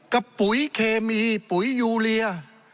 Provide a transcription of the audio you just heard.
ปุ๋ยเคมีปุ๋ยยูเรีย